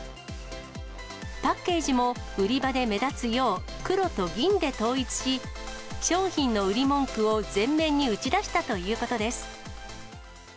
パッケージも、売り場で目立つよう、黒と銀で統一し、商品の売り文句を前面に打ち出したということです。